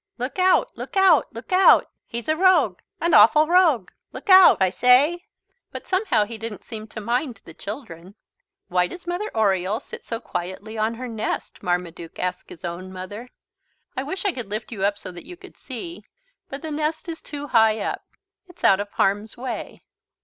"Look out, look out, look out! He's a rogue, an awful rogue, look out, I say!" But somehow he didn't seem to mind the children. "Why does Mother Oriole sit so quietly on her nest?" Marmaduke asked his own mother. "I wish I could lift you up so that you could see. But the nest is too high up. It's out of harm's way.